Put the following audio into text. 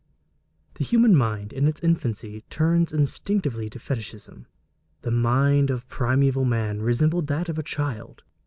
The human mind in its infancy turns instinctively to fetichism. The mind of primeval man resembled that of a child.